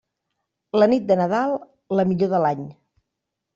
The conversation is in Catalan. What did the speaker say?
La nit de Nadal, la millor de l'any.